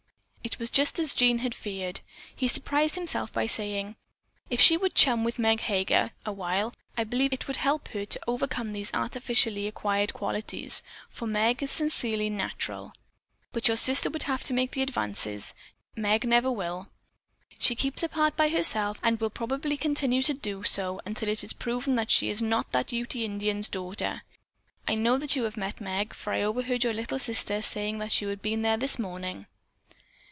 It was just as Jean had feared. He surprised himself by saying: "If she would chum with Meg Heger a while, I believe it would help her to overcome those artificially acquired qualities, for Meg is sincerely natural. But your sister would have to make the advances. Meg never will. She keeps apart by herself, and will probably continue doing so until it is proven that she is not that Ute Indian's daughter. I know that you have met Meg, for I overheard your little sister saying that you had been there this morning."